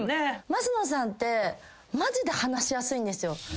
升野さんってマジで話しやすいんですよ。